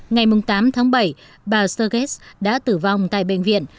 ngày tám tháng bảy bà serge đã tử vong tại bệnh viện